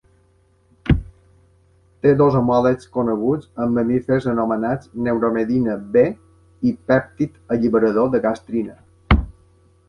Té dos homòlegs coneguts en mamífers anomenats neuromedina B i pèptid alliberador de gastrina.